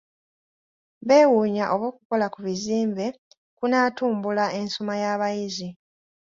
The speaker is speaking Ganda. Beewuunya oba okukola ku bizimbe kunaatumbula ensoma y'abayizi.